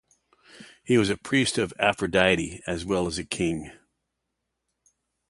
He was a priest of Aphrodite as well as a king.